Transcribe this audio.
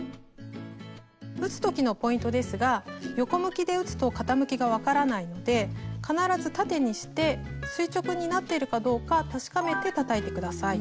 打つ時のポイントですが横向きで打つと傾きが分からないので必ず縦にして垂直になっているかどうか確かめてたたいて下さい。